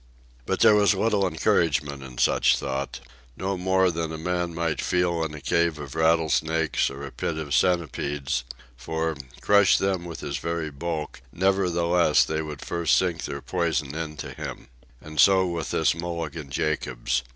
But there was little encouragement in such thought—no more than a man might feel in a cave of rattlesnakes or a pit of centipedes, for, crush them with his very bulk, nevertheless they would first sink their poison into him. And so with this Mulligan Jacobs.